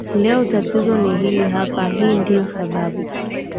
leo Tatizo ni hili hapa hii ndiyo sababu